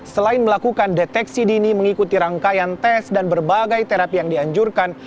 selain melakukan deteksi dini mengikuti rangkaian tes dan berbagai terapi yang dianjurkan